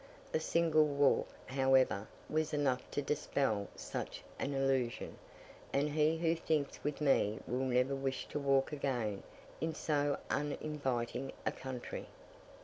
A single walk, however, was enough to dispel such an illusion; and he who thinks with me will never wish to walk again in so uninviting a country.